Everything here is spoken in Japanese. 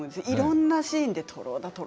いろんなシーンで徒労だ